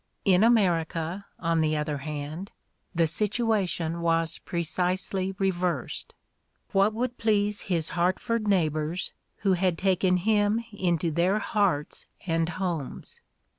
In America, on the other hand, the situation was precisely reversed. What would please his Hartford neighbors, who had taken him into their hearts and homes?